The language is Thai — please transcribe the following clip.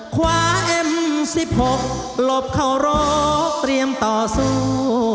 คว้าเอ็มสิบหกหลบเข้ารอบเตรียมต่อสู้